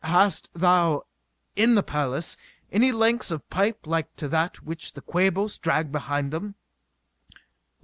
"Hast thou, in the palace, any lengths of pipe like to that which the Quabos drag behind them?"